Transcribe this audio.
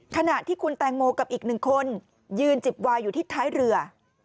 ขณะที่คุณแตงโมกับอีกหนึ่งคนยืนจิบวายอยู่ที่ท้ายเรือ